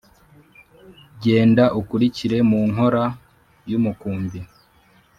. Genda ukurikire mu nkōra y’umukumbi,